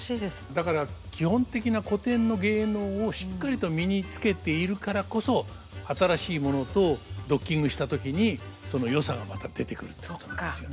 だから基本的な古典の芸能をしっかりと身につけているからこそ新しいものとドッキングした時にそのよさがまた出てくるっていうことなんですよね。